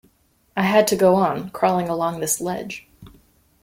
I had to go on, crawling along this ledge.